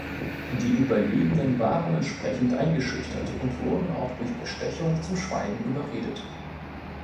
Die Überlebenden waren entsprechend eingeschüchtert und wurden auch durch Bestechung zum Schweigen überredet.